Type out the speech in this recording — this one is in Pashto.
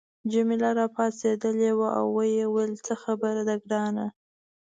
جميله راپاڅیدلې وه او ویې ویل څه خبره ده ګرانه.